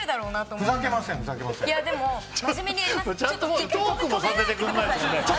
ちゃんともうトークもさせてくれないもんね。